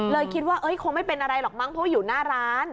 คิดว่าคงไม่เป็นอะไรหรอกมั้งเพราะว่าอยู่หน้าร้าน